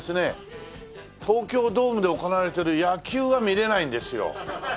東京ドームで行われてる野球は見れないんですよ。